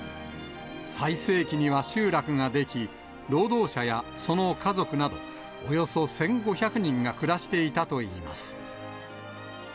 最盛期には集落が出来、労働者やその家族などおよそ１５００人が暮らしていたといいます。